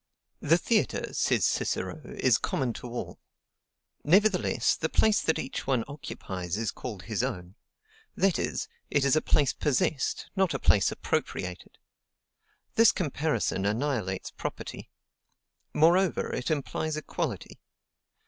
The theatre, says Cicero, is common to all; nevertheless, the place that each one occupies is called HIS OWN; that is, it is a place POSSESSED, not a place APPROPRIATED. This comparison annihilates property; moreover, it implies equality.